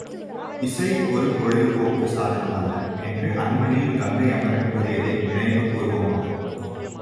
இசை ஒரு பொழுது போக்கு சாதனம் அல்ல! என்று அண்மையில் கங்கை அமரன் கூறியதை நினைவுகூர்வோமாக!